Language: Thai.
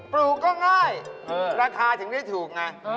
ลูกก็ง่ายราคาถึงได้ถูกไง